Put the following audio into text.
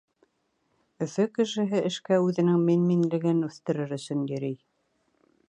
Өфө кешеһе эшкә үҙенең мин-минлеген үҫтерер өсөн йөрөй.